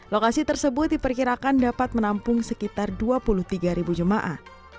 lokasi tersebut diperkirakan dapat menampung sekitar dua puluh tiga jemaah